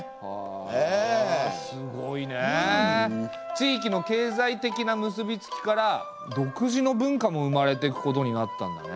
地域の経済的な結び付きから独自の文化も生まれていくことになったんだね！